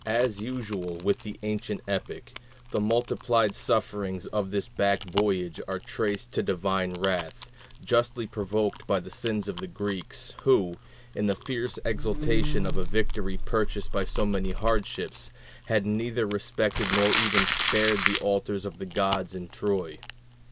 As usual with the ancient epic, the multiplied sufferings of this back voyage are traced to divine wrath, justly provoked by the sins of the Greeks, who, in the fierce exultation of a victory purchased by so many hardships, had neither respected nor even spared the altars of the gods in Troy.